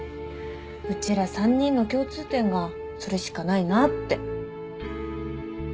うちら３人の共通点がそれしかないなって。